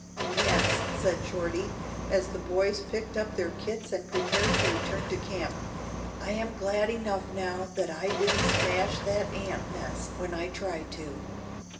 "Yes," said Shorty, as the boys picked up their kits and prepared to return to camp, "I am glad enough now that I didn't smash that ant nest when I tried to.